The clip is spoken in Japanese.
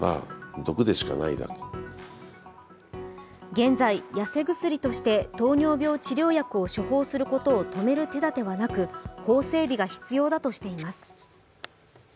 現在、痩せ薬として糖尿病治療薬を処方することを止める手だてはなく、法整備が必要だとしています。